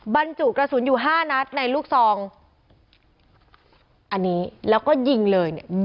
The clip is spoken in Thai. บรรจุกระสุนอยู่ห้านัดในลูกซองอันนี้แล้วก็ยิงเลยเนี่ย